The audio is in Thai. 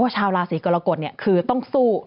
ชาวราศีกรกฎคือต้องสู้